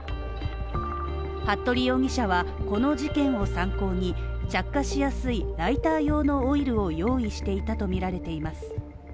服部容疑者はこの事件を参考に着火しやすい、ライター用のオイルを用意したとみられています。